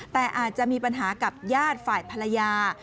แต่อาจจะมีปัญหากับญาติฝ่ายภรรยา